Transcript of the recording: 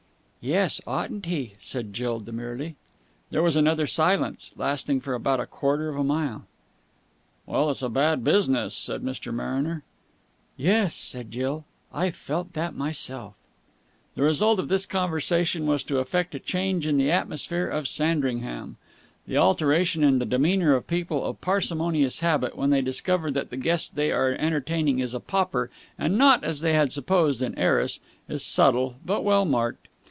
"Yes, oughtn't he?" said Jill demurely. There was another silence, lasting for about a quarter of a mile. "Well, it's a bad business," said Mr. Mariner. "Yes," said Jill. "I've felt that myself." The result of this conversation was to effect a change in the atmosphere of Sandringham. The alteration in the demeanour of people of parsimonious habit, when they discover that the guest they are entertaining is a pauper and not, as they had supposed, an heiress, is subtle but well marked.